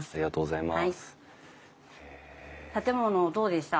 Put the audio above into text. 建物どうでした？